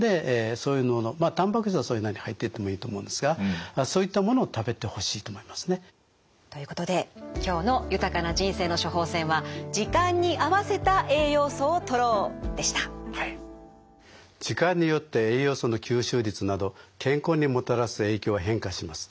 でまあたんぱく質はそれなりに入っててもいいと思うんですがそういったものを食べてほしいと思いますね。ということで今日の豊かな人生の処方せんは時間によって栄養素の吸収率など健康にもたらす影響は変化します。